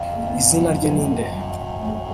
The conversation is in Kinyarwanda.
izina rye ni nde